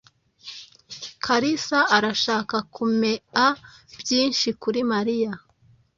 Kalisa arashaka kumea byinshi kuri Mariya.